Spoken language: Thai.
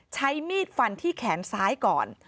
ใช้มีดฟันที่แขนซ้ายก่อน